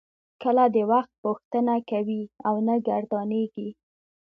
کله د وخت پوښتنه کوي او نه ګردانیږي.